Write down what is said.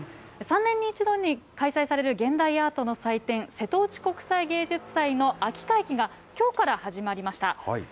３年に１度開催される現代アートの祭典、瀬戸内国際芸術祭の秋会議がきょうから始まりました。